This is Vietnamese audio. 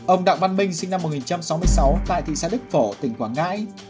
ông đặng văn minh sinh năm một nghìn chín trăm sáu mươi sáu tại thị xã đức phổ tỉnh quảng ngãi